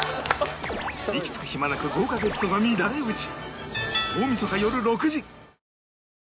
息つく暇なく豪華ゲストが乱れ打ち